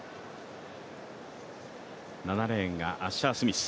７レーンがアッシャースミス